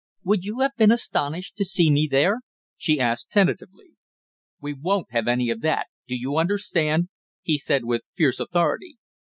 Would you have been astonished to see me there?" she asked tentatively. "We won't have any of that, do you understand?" he said with fierce authority.